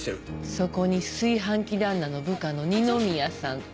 そこに炊飯器旦那の部下の二宮さんと。